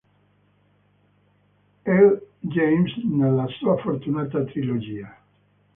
L. James nella sua fortunata trilogia.